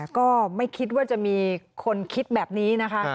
ก็ไม่คิดว่าจะมีคนคิดแบบนี้นะคะ